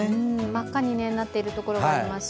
真っ赤になっているところがあります。